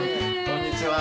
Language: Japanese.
こんにちは。